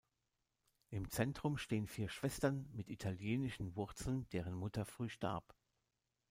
Im Zentrum stehen vier Schwestern mit italienischen Wurzeln, deren Mutter früh starb.